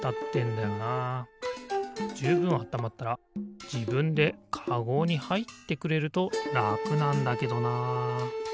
じゅうぶんあったまったらじぶんでカゴにはいってくれるとらくなんだけどな。